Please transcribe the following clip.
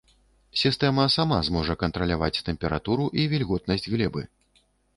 Сістэма сама зможа кантраляваць тэмпературу і вільготнасць глебы.